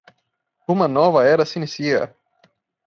Uma nova era se inicia